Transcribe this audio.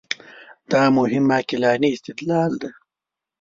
دا مهم عقلاني استدلال دی.